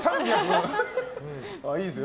いいですよ。